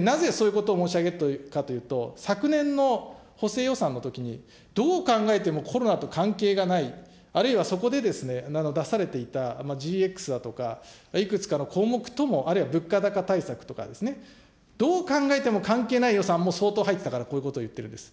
なぜ、そういうことを申し上げるかというと、昨年の補正予算のときにどう考えてもコロナと関係がない、あるいはそこで出されていたＧＸだとか、いくつかの項目とも、あるいは物価高対策とかですね、どう考えても関係ない予算も相当入ってたからこういうことを言ってるんです。